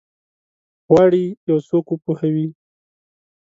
غواړي یو څوک وپوهوي؟